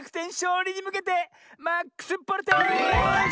うりにむけてマックスボルテージ！